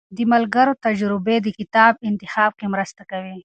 د ملګرو تجربې د کتاب انتخاب کې مرسته کوي.